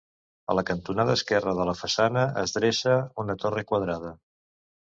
A la cantonada esquerra de la façana es dreça una torre quadrada.